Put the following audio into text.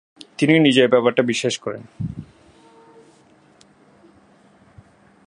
তিনি নিজে এই ব্যাপারটা বিশ্বাস করেন।